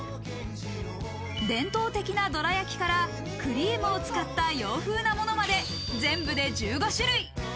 伝統的などら焼きからクリームを使った洋風なものまで全部で１５種類。